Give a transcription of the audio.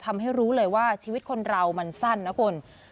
ทำให้รู้เลยว่าชีวิตคนเรามันสั้นนะคุณ